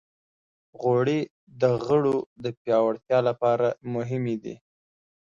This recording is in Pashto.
غوړې د غړو د پیاوړتیا لپاره مهمې دي.